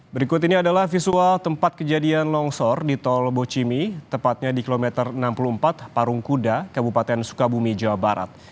berikut ini adalah visual tempat kejadian longsor di tol bocimi tepatnya di kilometer enam puluh empat parung kuda kabupaten sukabumi jawa barat